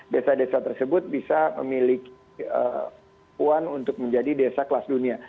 desa desa tersebut bisa memiliki puan untuk menjadi desa kelas dunia